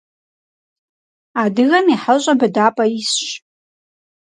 Адыгэм и хьэщӀэ быдапӀэ исщ.